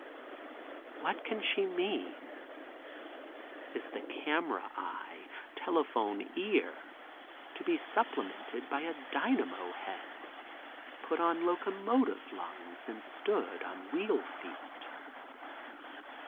What can she mean? Is the camera eye, telephone ear to be supplemented by a dynamo head, put on locomotive lungs and stood on wheel feet?